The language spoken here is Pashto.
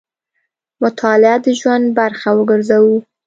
مطالعه د ژوند برخه وګرځوو.